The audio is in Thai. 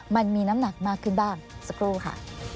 มันมีน้ำหนักมากขึ้นบ้างสักครู่ค่ะ